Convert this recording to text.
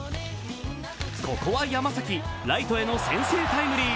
ここは山崎、ライトへの先制タイムリー。